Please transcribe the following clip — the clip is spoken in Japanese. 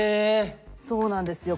そうなんですよ